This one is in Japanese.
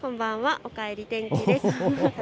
おかえり天気です。